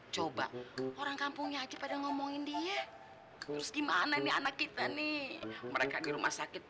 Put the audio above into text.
coba orang kampung ya pada ngomongin dia terus gimana nih anak kita nih mereka di rumah sakit